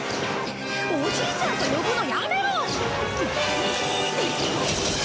おじいちゃんと呼ぶのやめろ！